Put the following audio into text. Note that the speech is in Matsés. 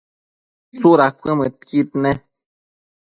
tsuda cuëmëdqui nec?